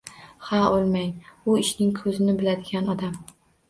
Ha, o‘lmang, u «ishning ko‘zini biladigan odam»!